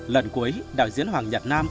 lần cuối đạo diễn hoàng nhật nam